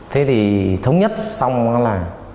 thế thì thống nhất xong là